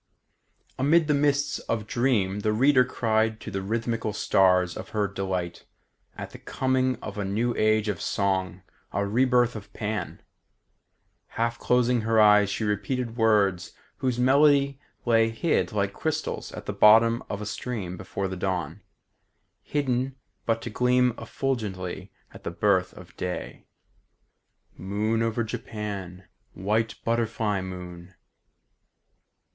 Amid the mists of dream the reader cried to the rhythmical stars of her delight at the coming of a new age of song, a rebirth of Pan. Half closing her eyes, she repeated words whose melody lay hid like crystals at the bottom of a stream before the dawn; hidden but to gleam effulgently at the birth of day. "Moon over Japan, White butterfly moon!